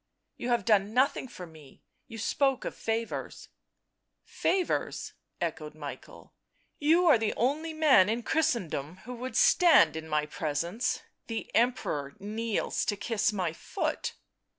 " You have done nothing for me — you spoke of favours." " Favours !" echoed Michael. " You are the only man in Christendom who would stand in my presence; the Emperor kneels to kiss my foot."